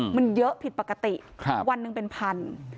มันเยอะผิดปกติวันหนึ่งเป็นพัน